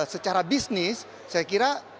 secara bisnis saya kira